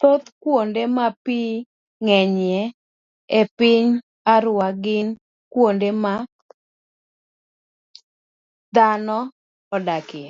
thoth kuonde ma pi ng'enyie e piny Arua gin kuonde ma dhano odakie.